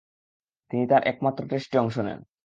তিনি তার একমাত্র টেস্টে অংশ নেন।